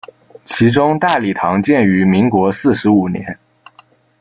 其中大礼堂建于民国四十五年。